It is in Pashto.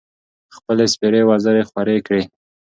خپـلې سپـېرې وزرې خـورې کـړې.